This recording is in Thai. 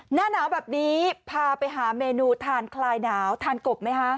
หน้าหนาวแบบนี้พาไปหาเมนูทานคลายหนาวทานกบไหมคะ